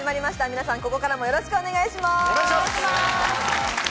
皆さん、ここからもよろしくお願いします。